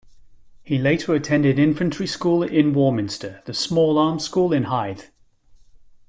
He later attended Infantry School in Warminster, the Small Arms School in Hythe.